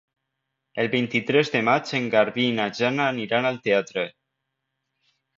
El vint-i-tres de maig en Garbí i na Jana aniran al teatre.